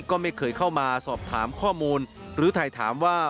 ก็ไม่เคยเข้ามาสอบถามข้อมูลหรือถ่ายถามว่า